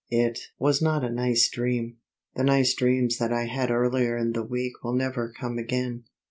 It was not a nice dream; the nice dreams that I had earlier in the week will never come again.